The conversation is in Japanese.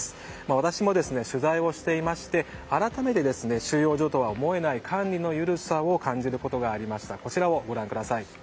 私も取材をしていまして改めて収容所とは思えない管理の緩さを感じることがありました。